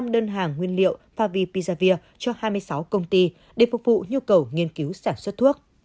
năm mươi năm đơn hàng nguyên liệu favipizavir cho hai mươi sáu công ty để phục vụ nhu cầu nghiên cứu sản xuất thuốc